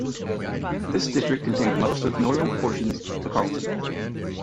This district contained most of northern portions of Carleton.